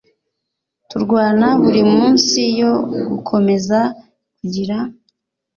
turwana buri munsi yo gukomeza kugira